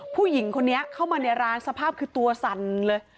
ผู้หญิงคนนี้เข้ามาในร้านสภาพคือตัวสั่นเลย